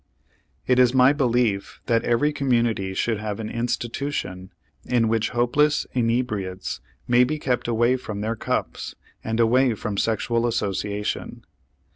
It is my belief that every community should have an institution in which hopeless inebriates may be kept away from their cups and away from sexual association.